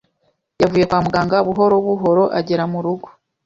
Yavuye kwa muganga buhorobuhoro agera mu rugo.